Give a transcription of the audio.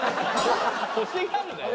欲しがるなよ。